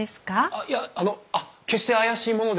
あっいやあの決して怪しい者では。